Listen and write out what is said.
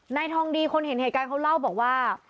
นายทองดีคนเห็นเหตุการณ์เขาเล่าบอกว่า